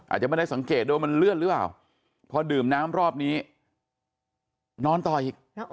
อาจจะไม่ได้สังเกตด้วยว่ามันเลื่อนหรือเปล่าพอดื่มน้ำรอบนี้นอนต่ออีก